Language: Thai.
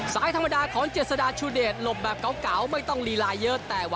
สายธรรมดาของเจษดาชุเดชลบแบบเกาไม่ต้องลีลายเยอะแต่วิสัยที่สุดจะมีลักษณะลงจนใหญ่ในการเล่นเขา